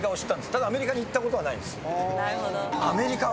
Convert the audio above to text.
ただアメリカに行ったことはないなるほど。